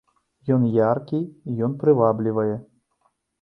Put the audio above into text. Ён яркі, ён прываблівае.